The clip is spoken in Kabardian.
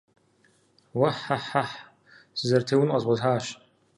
Уэ-хьэ-хьэхь! Сызэрытеун къэзгъуэтащ.